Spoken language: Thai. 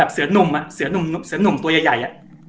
เสือนุ่มตัวใหญ่